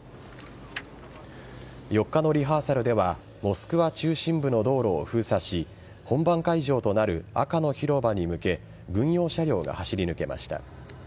４日のリハーサルではモスクワ中心部の道路を封鎖し本番会場となる赤の広場に向け軍用車両が走り抜けました。